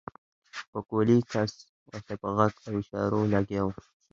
پکولي کس ورته په غږ او اشارو لګيا شو.